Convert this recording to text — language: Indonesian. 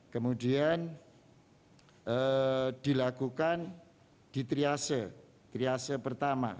kemudian dilakukan di triase triase pertama